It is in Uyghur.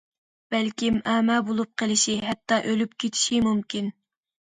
بەلكىم ئەما بولۇپ قېلىشى ھەتتا ئۆلۈپ كېتىشى مۇمكىن!